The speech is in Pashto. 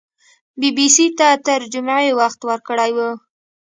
بي بي سي ته تر جمعې وخت ورکړی وو